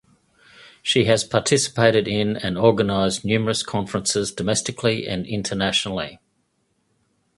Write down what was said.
She has participated in and organized numerous conferences domestically and internationally.